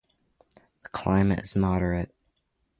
The climate is moderate.